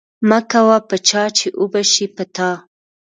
مکوه په چا چی اوبشی په تا